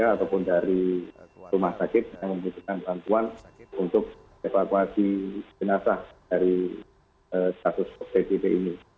ataupun dari rumah sakit yang membutuhkan bantuan untuk evakuasi jenazah dari status pbb ini